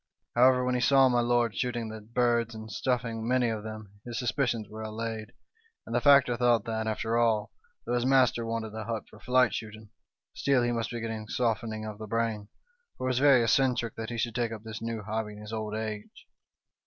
However, when he saw my lord shooting the birds and stuffing many of them his suspicions were allayed, and the factor thought that, after all, though his master wanted the hut for flight shooting, still he must be getting softening of the brain, for it was very eccentric that he should take up this new hobby in his old age.